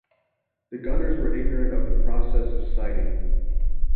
The gunners were ignorant of the process of sighting.